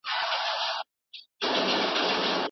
پښتانه شاعران تل له طبیعت سره مینه لري.